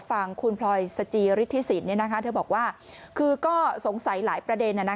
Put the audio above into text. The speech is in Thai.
ฟังคุณพลอยสจิฤทธิสินเธอบอกว่าคือก็สงสัยหลายประเด็น